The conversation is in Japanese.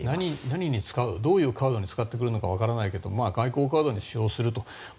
何に使うどういうカードに使ってくるか分からないけど外交カードに使用すると。